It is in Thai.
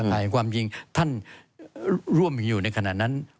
แต่ความจริงท่านร่วมอยู่ในขณะนั้น